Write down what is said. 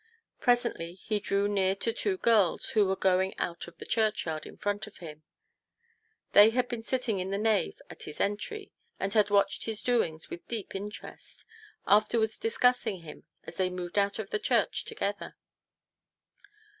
Presently he drew TO PLEASE HIS WIFE. 103 near to two girls who were going out of the churchyard in front of him ; they had been sitting in the nave at his entry, and had watched his doings with deep interest, after wards discussing him as they moved out of church together.